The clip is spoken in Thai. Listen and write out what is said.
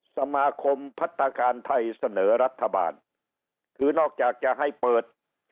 สมาคมพัฒนาการไทยเสนอรัฐบาลคือนอกจากจะให้เปิด